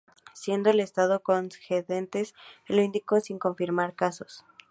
Siendo el Estado Cojedes el único sin confirmar casos.